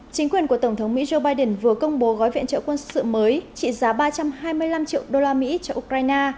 chính quyền của tổng thống mỹ joe biden vừa công bố gói viện trợ quân sự mới trị giá ba trăm hai mươi năm triệu đô la mỹ cho ukraine